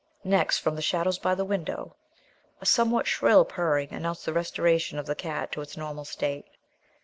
Next, from the shadows by the window, a somewhat shrill purring announced the restoration of the cat to its normal state.